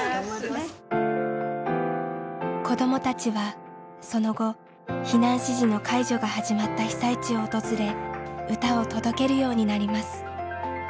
子どもたちはその後避難指示の解除が始まった被災地を訪れ歌を届けるようになります。